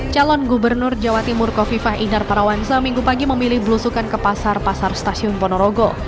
calon gubernur jawa timur kofifah indar parawansa minggu pagi memilih belusukan ke pasar pasar stasiun ponorogo